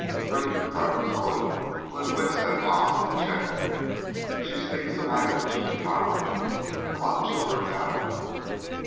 "Great!" cried the poet, who had winced at ob ject. "She speaks the language of the tribe! Come on, children now!"